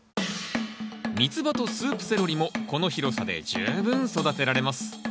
ミツバとスープセロリもこの広さで十分育てられます。